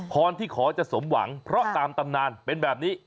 ที่ขอจะสมหวังเพราะตามตำนานเป็นแบบนี้